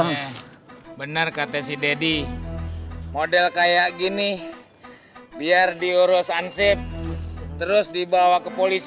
re silahkan lising mana kita beri ke wardrobe agar saya gak bakal kalah